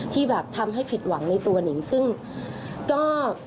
ที่แบบทำให้ผิดหวังในตัวหนิงซึ่งก็